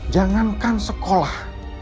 gimana dia sekolah